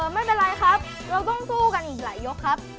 ไม่เป็นไรครับเราต้องสู้กันอีกหลายยกครับ